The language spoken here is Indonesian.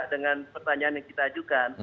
dengan pertanyaan yang kita ajukan